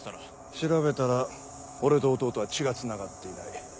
調べたら俺と弟は血がつながっていない。